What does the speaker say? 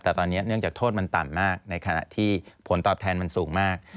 แต่ตอนนี้เนื่องจากโทษมันต่ำมากในขณะที่ผลตอบแทนมันสูงมาก